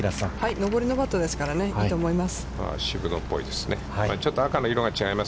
上りのパットですからね、いいと思います。